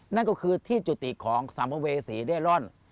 นั่นก็คือที่จุติของสัมภเวษีเร่ร่อน